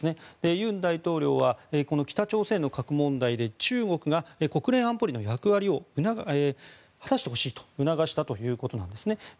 尹大統領は北朝鮮の核問題で中国が国連安保理の役割を果たしてほしいと促したということです。